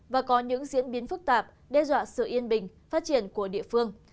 và có những diễn biến phức tạp đe dọa sự yên bình phát triển của địa phương